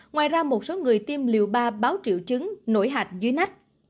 ngoài ra một số người tiêm liều ba báo triệu chứng nổi hạch dưới nách